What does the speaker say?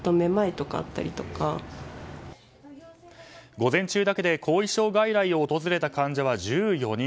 午前中だけで後遺症外来を訪れた患者は１４人。